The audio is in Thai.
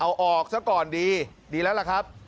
เอาออกซะก่อนดีดีแล้วล่ะครับ